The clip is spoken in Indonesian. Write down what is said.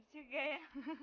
udah juga ya